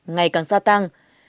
ngày càng gia tăng